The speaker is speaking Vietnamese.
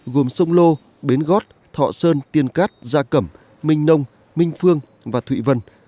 gồm sông lô bến gót thọ sơn tiên cát gia cẩm minh nông minh phương và thụy vân